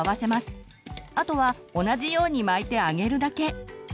あとは同じように巻いて揚げるだけ！